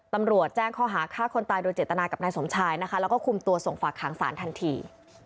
ตำรวจแจ้งข้อหาฆ่าคนตายโดยเจตนากับนายสมชายนะคะแล้วก็คุมตัวส่งฝากหางศาลทันที